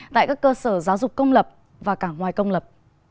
tại các cơ sở giáo dục công lập và cả ngoài công lập